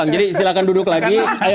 jadi silahkan duduk lagi